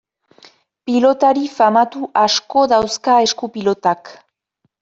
Pilotari famatu asko dauzka esku-pilotak.